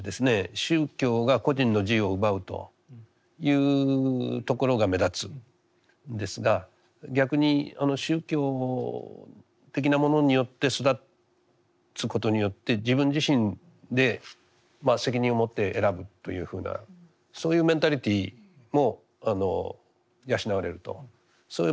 宗教が個人の自由を奪うというところが目立つんですが逆に宗教的なものによって育つことによって自分自身で責任を持って選ぶというふうなそういうメンタリティーも養われるとそういう場合もある。